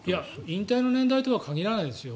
引退の年代とは限らないですよ。